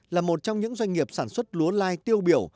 là một trong những doanh nghiệp sản xuất lúa lai tiêu biểu